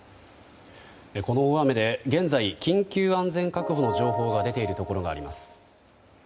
この大雨で現在緊急安全確保の情報が出ているところがあります。